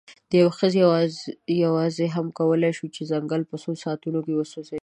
یوې ښځې یواځې هم کولی شول، چې ځنګل په څو ساعتونو کې وسوځوي.